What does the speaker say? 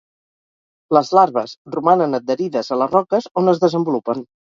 Les larves romanen adherides a les roques on es desenvolupen.